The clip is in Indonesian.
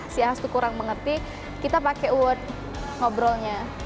si hastu kurang mengerti kita pakai award ngobrolnya